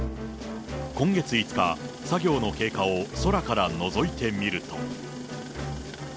今月５日、作業の経過を空からのぞいてみると。